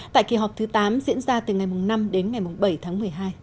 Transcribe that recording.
tại kỳ họp thứ tám diễn ra từ ngày năm đến ngày bảy tháng một mươi hai